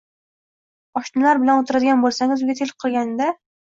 Oshnalar bilan o‘tiradigan bo‘lsangiz, uyga tel qilganda